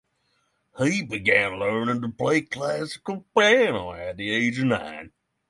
He began learning to play classical piano at the age of nine.